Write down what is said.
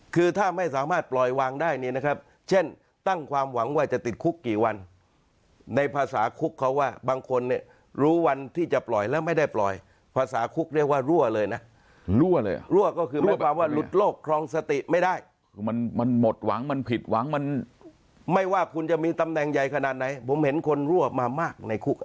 คือถ้าไม่สามารถปล่อยวางได้เนี่ยนะครับเช่นตั้งความหวังว่าจะติดคุกกี่วันในภาษาคุกเขาว่าบางคนเนี่ยรู้วันที่จะปล่อยแล้วไม่ได้ปล่อยภาษาคุกเรียกว่ารั่วเลยนะรั่วเลยรั่วก็คือหมายความว่าหลุดโลกครองสติไม่ได้คือมันมันหมดหวังมันผิดหวังมันไม่ว่าคุณจะมีตำแหน่งใหญ่ขนาดไหนผมเห็นคนรั่วมามากในคุก